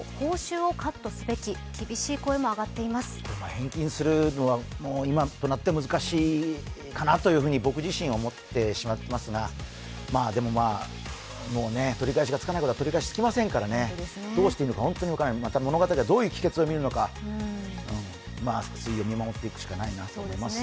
返金するのは、今となっては難しいかなと僕自身思ってしまっていますがでも、もう取り返しがつかないことは取り返しがつきませんからどうしていいのか本当に分からない、物語はどういう結末を見るのか、推移を見守っていくしかないなと思います。